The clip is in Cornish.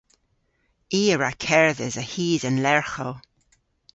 I a wra kerdhes a-hys an lerghow.